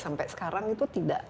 sampai sekarang itu tidak